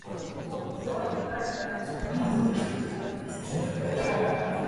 Gambit's X-Ternals consist of Sunspot, Jubilee, Strong Guy, and Lila Cheney.